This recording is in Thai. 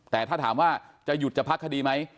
แต่ถ้าถามว่าจะหยุดจะพักคดีไหม